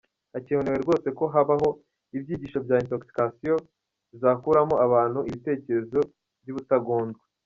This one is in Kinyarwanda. Hakenewe rwose ko habaho ibyigisho za intoxication za kuramo abantu ibitekerezo b’ ubutagondwa.